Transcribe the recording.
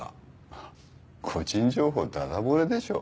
個人情報だだ漏れでしょ。